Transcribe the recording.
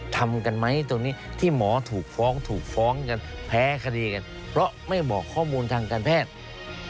ทำกันไหมตรงนี้ที่หมอถูกฟ้องถูกฟ้องกันแพ้คดีกันเพราะไม่บอกข้อมูลทางการแพทย์